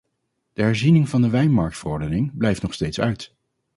De herziening van de wijnmarktverordening blijft nog steeds uit.